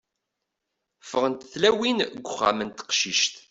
Ffɣent tlawin g uxxam n teqcict.